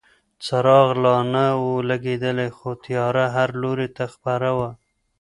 څراغ لا نه و لګېدلی خو تیاره هر لوري ته خپره وه.